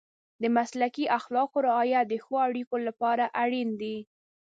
د مسلکي اخلاقو رعایت د ښه اړیکو لپاره اړین دی.